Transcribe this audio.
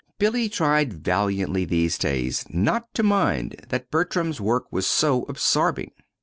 Billy tried valiantly these days not to mind that Bertram's work was so absorbing.